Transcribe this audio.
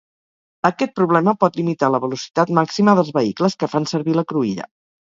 Aquest problema pot limitar la velocitat màxima dels vehicles que fan servir la cruïlla.